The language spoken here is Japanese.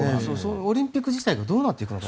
オリンピック自体がどうなっていくのか。